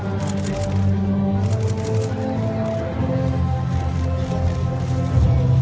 สโลแมคริปราบาล